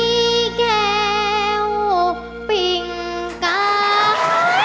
อีแก่วปิงก่าว